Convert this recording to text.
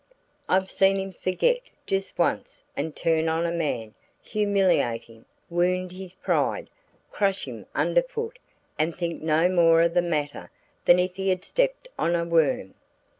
I've seen him forget, just once, and turn on a man, humiliate him, wound his pride, crush him under foot and think no more of the matter than if he had stepped on a worm.